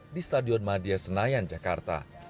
di stadion madia senayan jakarta